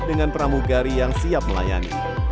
dan peramugari yang siap melayani